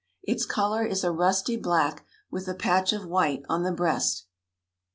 Its color is a rusty black, with a patch of white on the breast.